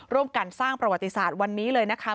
ร่วมกันสร้างประวัติศาสตร์วันนี้เลยนะคะ